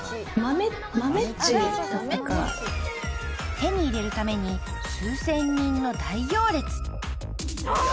［手に入れるために数千人の大行列］